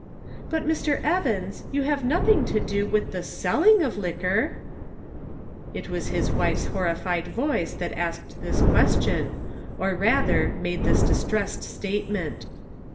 " But Mr. Evans, you have nothing to do with the selling of liquor !" It was his wife's horrified voice that asked this question, or rather made this distressed statement.